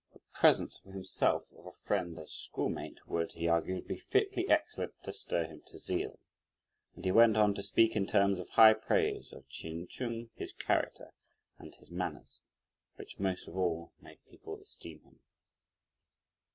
"The presence for himself of a friend as schoolmate would," he argued, "be fitly excellent to stir him to zeal," and he went on to speak in terms of high praise of Ch'in Chung, his character and his manners, which most of all made people esteem him.